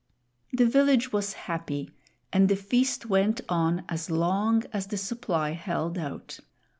The village was happy, and the feast went on as long as the supply held out.